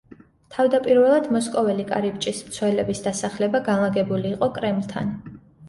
თავდაპირველად მოსკოველი კარიბჭის მცველების დასახლება განლაგებული იყო კრემლთან.